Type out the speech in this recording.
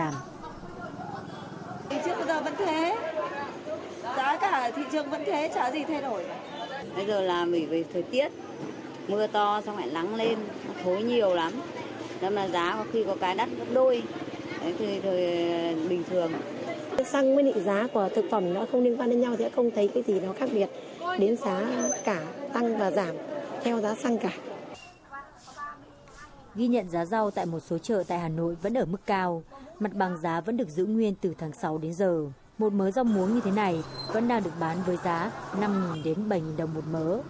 mỡ rong muối như thế này vẫn đang được bán với giá năm bảy đồng một mỡ